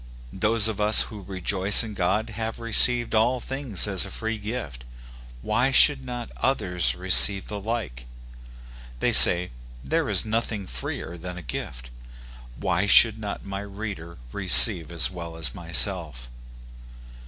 Those of us who rejoice in God have received all things as a free gift ; why should not others receive the like ? They say, " There is nothing freer than a gift ": why should not my reader receive as well as myself